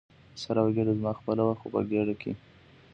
سر او ګېډه زما خپله وه، خو په ګېډه کې.